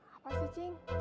apa sih cing